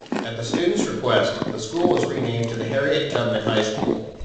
At the students request, the school was renamed to the Harriet Tubman High School.